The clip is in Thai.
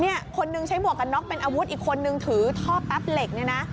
คนนึงใช้หมวกกันน็อกเป็นอาวุธอีกคนนึงถือท่อแป๊บเหล็กเนี่ยนะ